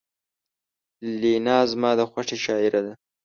لینا زما د خوښې شاعره ده